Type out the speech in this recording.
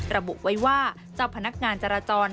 ระบุไว้ว่าเจ้าพนักงานจราจร